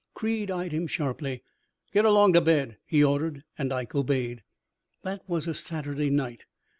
Creed eyed him sharply. 'Get along to bed,' he ordered, and Ike obeyed. "That was a Saturday night.